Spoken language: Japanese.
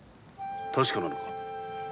確かなのか？